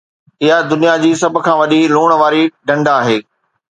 اها دنيا جي سڀ کان وڏي لوڻ واري ڍنڍ آهي